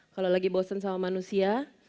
kalau lagi bosen sama manusia